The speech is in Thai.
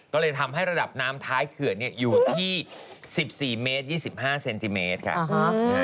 ก็เลยทำให้ระดับน้ำท้ายเขื่อนอยู่ที่๑๔เมตร๒๕เซนติเมตรค่ะ